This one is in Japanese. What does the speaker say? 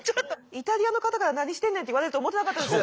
イタリアの方から「何してんねん」って言われると思ってなかったです。